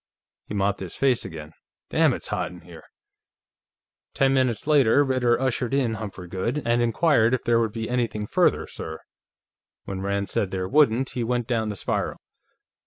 He mopped his face again. "Damn, it's hot in here!" Ten minutes later, Ritter ushered in Humphrey Goode, and inquired if there would be anything further, sir? When Rand said there wouldn't, he went down the spiral.